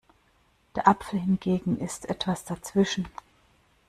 Der Apfel hingegen ist etwas dazwischen.